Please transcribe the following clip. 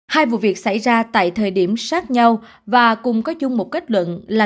hai vụ việc xảy ra tại thời điểm sát nhau và cùng có chung một kết luận là